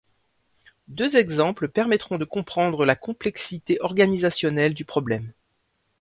Deux exemples permettront de comprendre la complexité organisationnelle du problème.